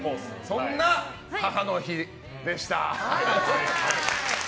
そんな母の日でした。